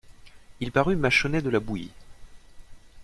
Il parut mâchonner de la bouillie.